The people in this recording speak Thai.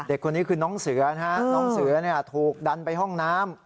เด็กคนนี้คือน้องเสือนะฮะน้องเสือถูกดันไปห้องน้ำ